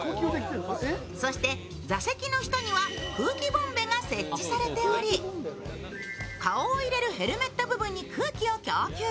そして、座席の下には空気ボンベが設置されており、顔を入れるヘルメット部分に空気を供給。